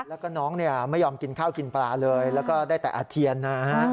แล้วก็น้องไม่ยอมกินข้าวกินปลาเลยแล้วก็ได้แต่อาเจียนนะฮะ